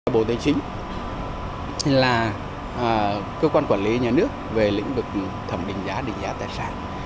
bộ tài chính là cơ quan quản lý nhà nước về lĩnh vực thẩm định giá định giá tài sản